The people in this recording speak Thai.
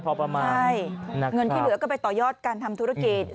อย่างเงินที่เหลือก็ไปต่ายอดการทำธุรกิจใช่